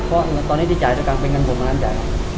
เพราะตอนนี้ที่จ่ายกับการเป็นเงินผมก็ไม่ได้จ่าย